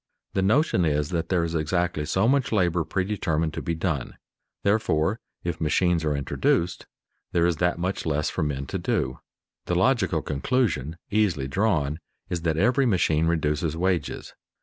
The notion is that there is exactly so much labor predetermined to be done; therefore, if machines are introduced, there is that much less for men to do. The logical conclusion easily drawn is that every machine reduces wages.